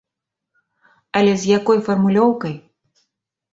Але з якой фармулёўкай?